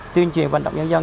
tuyên truyền và đọc nhân dân